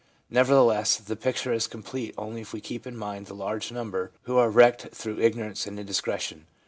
Nevertheless, the picture is complete only if we keep in mind the large number who are wrecked through ignorance and indiscretion.